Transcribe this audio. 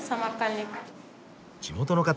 地元の方。